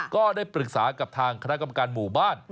ก็ได้ปรึกษากับทางคณะกรรมการหมู่บ้าน